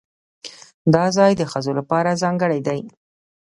دا ځای د ښځو لپاره ځانګړی دی.